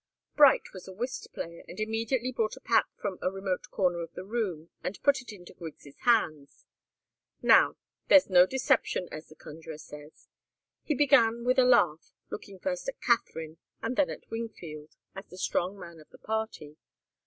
Bright was a whist player, and immediately brought a pack from a remote corner of the room and put it into Griggs' hands. "Now there's no deception, as the conjurers say," he began, with a laugh, looking first at Katharine, and then at Wingfield, as the strong man of the party.